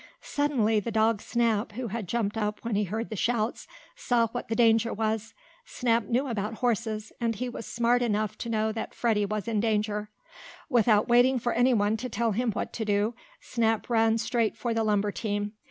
Suddenly the dog Snap, who had jumped up when he heard the shouts, saw what the danger was. Snap knew about horses, and he was smart enough to know that Freddie was in danger. Without waiting for anyone to tell him what to do, Snap ran straight for the lumber team.